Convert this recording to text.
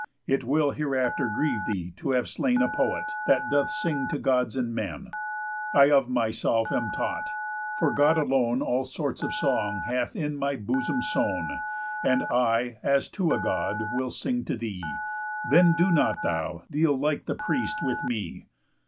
It will hereafter grieve thee to have slain A poet, that doth sing to Gods and men. I of myself am taught, for God alone All sorts of song hath in my bosom sown, And I, as to a God, will sing to thee; Then do not thou deal like the priest with me.